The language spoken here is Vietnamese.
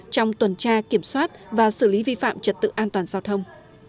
trong tuần tra kiểm soát và xử lý vi phạm trật tự an toàn giao thông